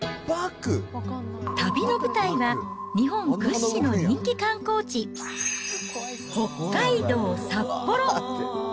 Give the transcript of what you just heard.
旅の舞台は、日本屈指の人気観光地、北海道札幌。